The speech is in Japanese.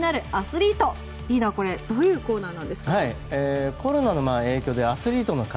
リーダー、これどういうコーナーなんですか？